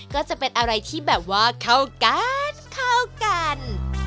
ก็จะเป็นอะไรที่แบบว่าเข้ากันเข้ากัน